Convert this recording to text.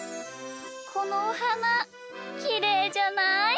このおはなきれいじゃない？